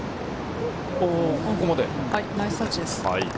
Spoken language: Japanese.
ナイスタッチです。